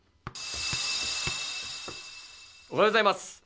おはようございます。